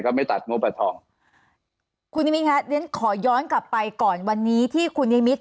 ก็ไม่ตัดงบบัตรทองขอย้อนกลับไปก่อนวันนี้ที่คุณนิมิตร